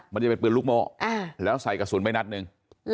มันจะเป็นปืนลูกโม่แล้วใส่กระสุนไปนัดหนึ่ง